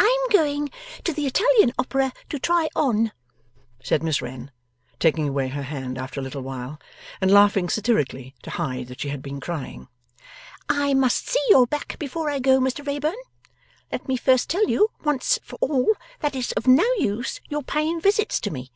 'I'm going to the Italian Opera to try on,' said Miss Wren, taking away her hand after a little while, and laughing satirically to hide that she had been crying; 'I must see your back before I go, Mr Wrayburn. Let me first tell you, once for all, that it's of no use your paying visits to me.